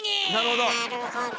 なるほど！